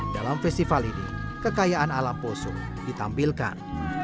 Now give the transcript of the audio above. dalam festival ini kekayaan alam poso ditampilkan